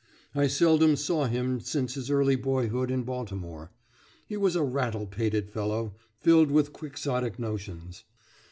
I seldom saw him since his early boyhood in Baltimore. He was a rattle pated fellow, filled with quixotic notions.